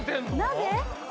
なぜ？